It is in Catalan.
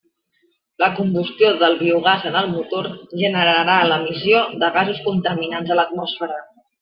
La combustió del biogàs en el motor generarà l'emissió de gasos contaminants a l'atmosfera.